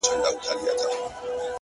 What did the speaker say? o چي كورنۍ يې؛